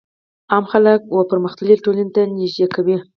علم خلک و پرمختللو ټولنو ته نژدي کوي.